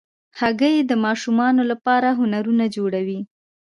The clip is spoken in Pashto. هګۍ د ماشومانو لپاره هنرونه جوړوي.